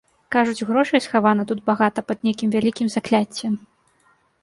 Кажуць, грошай схавана тут багата пад нейкім вялікім закляццем.